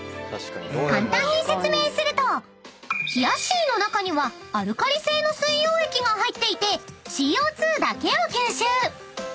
［簡単に説明するとひやっしーの中にはアルカリ性の水溶液が入っていてＣＯ２だけを吸収］